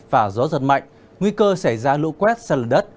và gió giật mạnh nguy cơ xảy ra lũ quét sần lửa đất